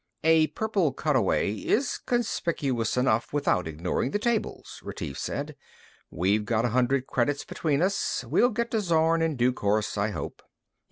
"A purple cutaway is conspicuous enough, without ignoring the tables," Retief said. "We've got a hundred credits between us. We'll get to Zorn in due course, I hope."